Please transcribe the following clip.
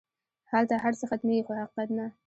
هلته هر څه ختمېږي خو حقیقت نه.